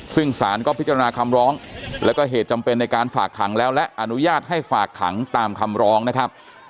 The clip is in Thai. ซึ่งสารก็พิจารณาคำร้องแล้วก็เหตุจำเป็นในการฝากขังแล้วและอนุญาตให้ฝากขังตามคำร้องนะครับ